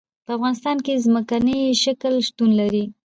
په افغانستان کې ځمکنی شکل شتون لري.